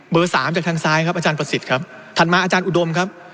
สามจากทางซ้ายครับอาจารย์ประสิทธิ์ครับถัดมาอาจารย์อุดมครับ